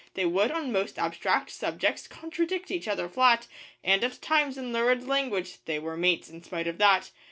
They would, on most abstract subjects, contradict each other flat And at times in lurid language they were mates in spite of that.